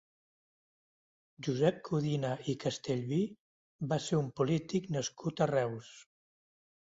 Josep Codina i Castellví va ser un polític nascut a Reus.